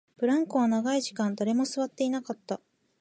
ブランコは長い時間、誰も座っていなかった